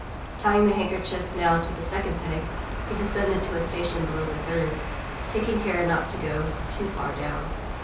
Tying the handkerchiefs now to the second peg, he descended to a station below the third, taking care not to go too far down.